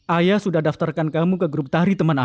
ayah sudah daftarkan kamu ke grup tari teman ayah